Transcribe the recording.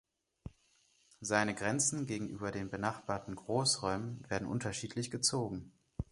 Seine Grenzen gegenüber den benachbarten Großräumen werden unterschiedlich gezogen.